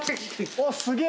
おっすげえ！